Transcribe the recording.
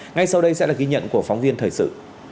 ngay sau đây sẽ là ghi nhận của phóng viên thời sự